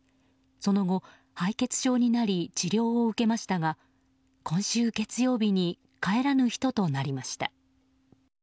その後、敗血症になり治療を受けましたが今週月曜日に帰らぬ人となりました。